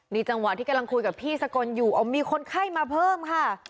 นี่จังหวะที่กำลังคุยกับพี่สกลอยู่มีคนไข้มาเพิ่มค่ะ